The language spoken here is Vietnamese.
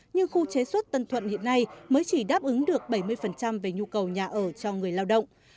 nhưng khu chế xuất tân thuận hiện nay mới chỉ đáp ứng được bảy mươi về nhu cầu nhà ở cho người lao động